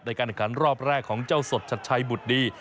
ในการอาการรอบแรกของเจ้าสดชัดชัยบุตรดี